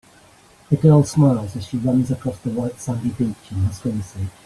A girl smiles as she runs across the white sandy beach in her swimsuit.